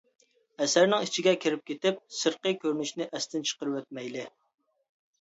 ئەسەرنىڭ ئىچىگە كىرىپ كېتىپ، سىرتقى كۆرۈنۈشىنى ئەستىن چىقىرىۋەتمەيلى.